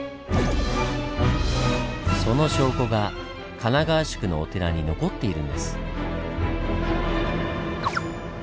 その証拠が神奈川宿のお寺に残っているんです。